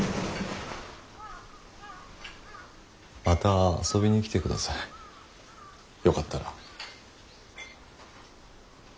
また遊びに来て下さいよかったら。